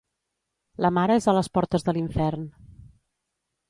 La mare és a les portes de l'infern.